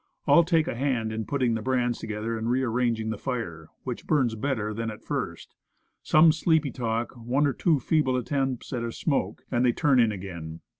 All take a hand in putting the brands together and re arranging the fire, which burns better than at first; some sleepy talk, one or two feeble attempts at a smoke, and they turn in again.